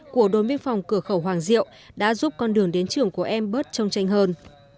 của đồn biên phòng cửa khẩu hoàng diệu đã giúp con đường đến trường của em bớt trông tranh hơn